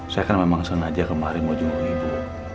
saya kan memang sengaja kemarin mau jual ibu